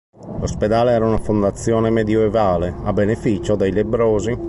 L'ospedale era una fondazione medioevale a beneficio dei lebbrosi.